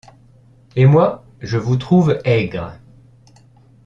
Et moi, je vous trouve aigre !